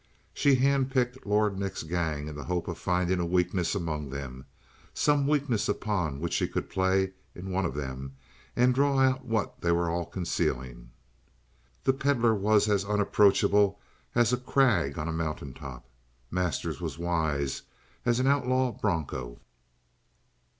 She handpicked Lord Nick's gang in the hope of finding a weakness among them; some weakness upon which she could play in one of them and draw out what they were all concealing. The Pedlar was as unapproachable as a crag on a mountaintop. Masters was wise as an outlaw broncho.